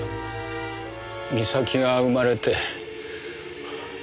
美咲が生まれて。